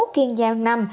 kiên giang năm